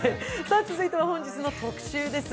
続いては本日の特集です。